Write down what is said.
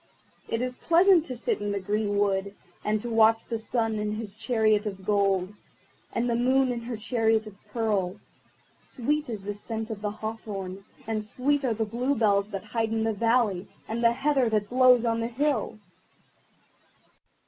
It is pleasant to sit in the green wood, and to watch the Sun in his chariot of gold, and the Moon in her chariot of pearl. Sweet is the scent of the hawthorn, and sweet are the bluebells that hide in the valley, and the heather that blows on the hill.